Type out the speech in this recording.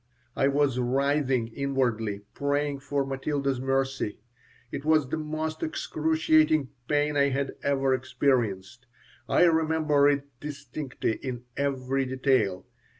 I was writhing inwardly, praying for Matilda's mercy. It was the most excruciating pain I had ever experienced. I remember it distinctly in every detail.